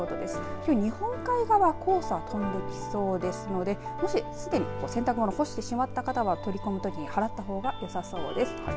きょう、日本海側黄砂が飛んできそうですのでもしすでに洗濯物を干してしまった方は取り込むときに払ったほうがよさそうです。